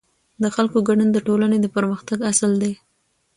د خلکو ګډون د ټولنې د پرمختګ اصل دی